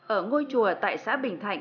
ở ngôi chùa tại xã bình thạnh